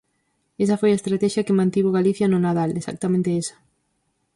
Esa foi a estratexia que mantivo Galicia no Nadal, exactamente esa.